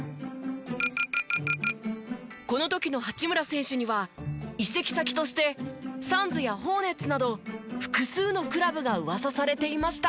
この時の八村選手には移籍先としてサンズやホーネッツなど複数のクラブが噂されていました。